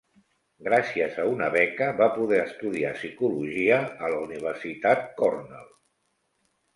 Gràcies a una beca, va poder estudiar psicologia a la Universitat Cornell.